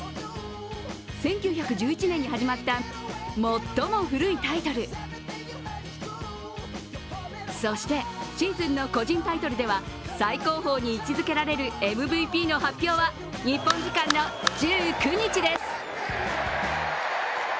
１９１１年に始まった最も古いタイトル、そしてシーズンの個人タイトルでは最高峰に位置づけられるＭＶＰの発表は日本時間の１９日です。